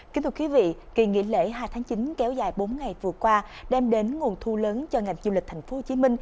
kỳ nghỉ lễ hai tháng chín kéo dài bốn ngày vừa qua đem đến nguồn thu lớn cho ngành du lịch tp hcm